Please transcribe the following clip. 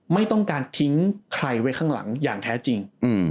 ไม่ต้องการทิ้งใครไว้ข้างหลังอย่างแท้จริง